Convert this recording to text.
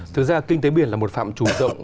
thực ra kinh tế biển là một phạm trùm rộng